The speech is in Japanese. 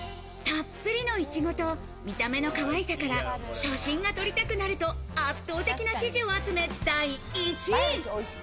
たっぷりのいちごと見た目のかわいさから写真が撮りたくなると、圧倒的な支持を集め第１位。